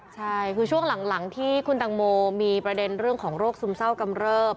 ใช่คือช่วงหลังที่คุณตังโมมีประเด็นเรื่องของโรคซึมเศร้ากำเริบ